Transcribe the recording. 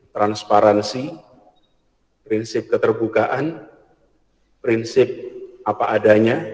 transparansi prinsip keterbukaan prinsip apa adanya